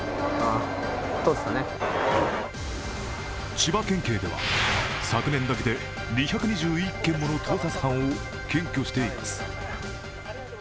千葉県警では昨年だけで２２１件もの盗撮犯を検挙しています。